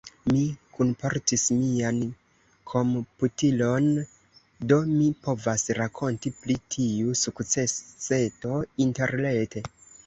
Mi kunportis mian komputilon, do mi povas rakonti pri tiu sukceseto interrete.